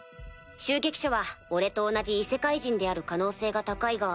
襲撃者は俺と同じ異世界人である可能性が高いが。